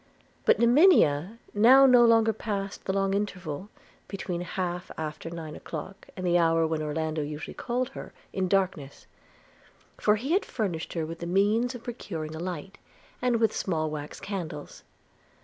But Monimia now no longer passed the long interval, between half after nine o'clock and the hour when Orlando usually called her, in darkness; for he had furnished her with the means of procuring a light, and with small wax candles.